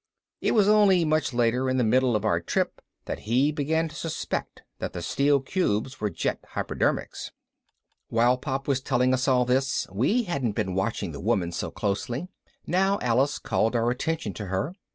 It was only much later, in the middle of our trip, that he began to suspect that the steel cubes were jet hypodermics. While Pop had been telling us all this, we hadn't been watching the woman so closely. Now Alice called our attention to her.